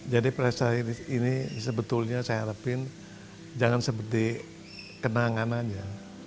jadi perasaan ini sebetulnya saya harapkan jangan seperti kenangan aja